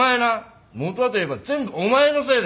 本はといえば全部お前のせいで。